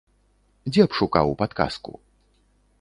Дзе б шукаў падказку?